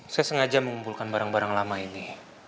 saya sengaja mengumpulkan barang barang lama ini